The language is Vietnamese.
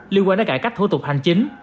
liên quan đến cải cách thủ tục hành chính